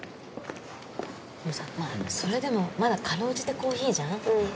でもさまぁそれでもまだかろうじてコーヒーじゃん？